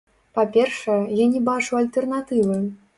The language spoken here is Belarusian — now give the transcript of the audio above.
Па-першае, я не бачу альтэрнатывы.